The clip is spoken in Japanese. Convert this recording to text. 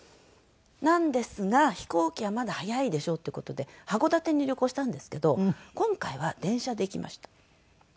なんですが飛行機はまだ早いでしょっていう事で函館に旅行したんですけど今回は電車で行きました陸連れて。